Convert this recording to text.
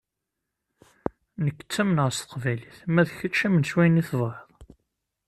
Nekk ttamneɣ s teqbaylit, ma d kečč amen s wayen i tebɣiḍ.